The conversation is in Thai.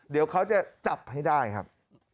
เดี๋ยวเขาจะจับให้ได้ครับ